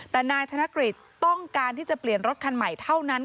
แต่นายธนกฤษต้องการที่จะเปลี่ยนรถคันใหม่เท่านั้น